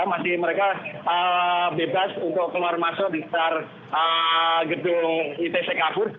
masih mereka bebas untuk keluar masuk di sekitar gedung itc kafur